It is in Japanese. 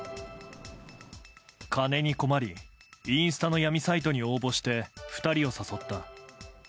金に困り、インスタの闇サイトに応募して２人を誘った。